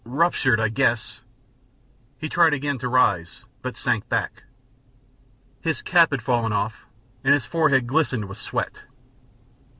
"Ruptured I guess." He tried again to rise, but sank back. His cap had fallen off and his forehead glistened with sweat.